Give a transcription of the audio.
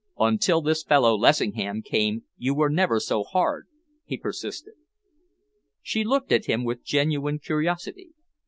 "Until this fellow Lessingham came you were never so hard," he persisted. She looked at him with genuine curiosity.